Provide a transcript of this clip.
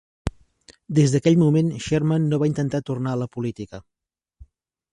Des d'aquell moment, Sherman no va intentar tornar a la política.